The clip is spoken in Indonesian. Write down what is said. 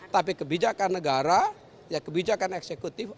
tapi kebijakan negara kebijakan eksekutif